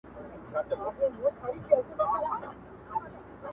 پراخه شنه سيمه ده